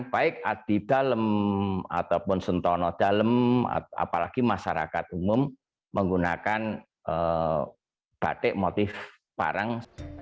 baik di dalam ataupun sentono dalem apalagi masyarakat umum menggunakan batik motif parang